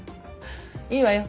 いいわよ。